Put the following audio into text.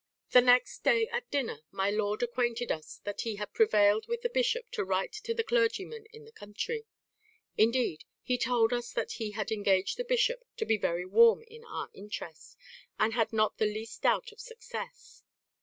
"The next day at dinner my lord acquainted us that he had prevailed with the bishop to write to the clergyman in the country; indeed, he told us that he had engaged the bishop to be very warm in our interest, and had not the least doubt of success.